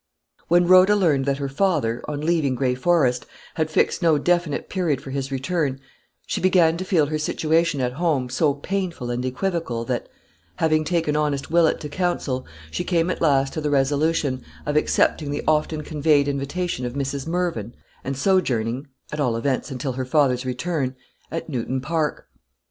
When Rhoda learned that her father, on leaving Gray Forest, had fixed no definite period for his return, she began to feel her situation at home so painful and equivocal, that, having taken honest Willett to counsel, she came at last to the resolution of accepting the often conveyed invitation of Mrs. Mervyn and sojourning, at all events until her father's return, at Newton Park.